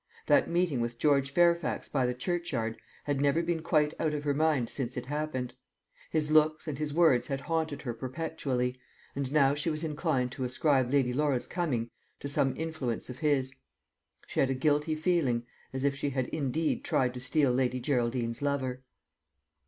That meeting with George Fairfax by the churchyard had never been quite out of her mind since it happened. His looks and his words had haunted her perpetually, and now she was inclined to ascribe Lady Laura's coming to some influence of his. She had a guilty feeling, as if she had indeed tried to steal Lady Geraldine's lover.